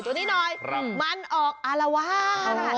ตัวนี้หน่อยมันออกอารวาส